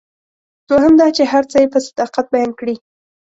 دوهم دا چې هر څه یې په صداقت بیان کړي.